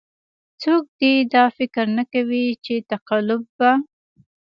څوک دې دا فکر نه کوي چې تقلب به.